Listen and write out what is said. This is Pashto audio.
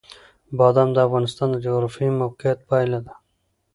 بادام د افغانستان د جغرافیایي موقیعت پایله ده.